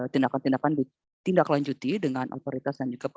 tindakan tindakan ditindaklanjuti dengan otoritas dan juga